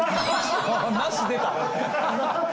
なし出た！